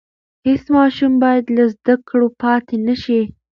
هېڅ ماشوم بايد له زده کړو پاتې نشي.